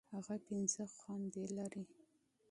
هغه پنځه خويندي لري.